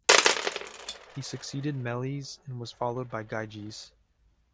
He succeeded Meles and was followed by Gyges.